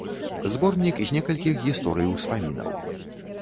Зборнік з некалькіх гісторый-успамінаў.